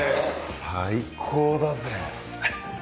最高だぜ！